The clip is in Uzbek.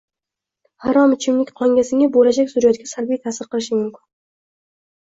Harom ichimlik qonga singib, bo‘lajak zurriyotga salbiy ta’sir qilishi mumkin.